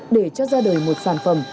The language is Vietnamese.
để cho ra đời một sản phẩm